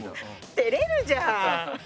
てれるじゃん。